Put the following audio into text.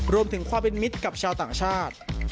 รวมถึงความเป็นมิตรกับชาวต่างชาติ